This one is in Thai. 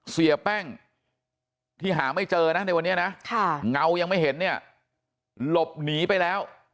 ๑เสียแป้งที่หาไม่เจอในวันนี้งาวยังไม่เห็นหลบหนีไปแล้ว